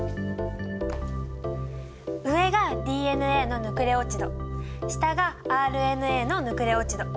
上が「ＤＮＡのヌクレオチド」下が「ＲＮＡのヌクレオチド」。